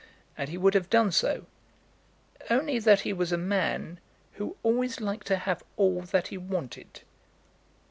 And he would have done so, only that he was a man who always liked to have all that he wanted.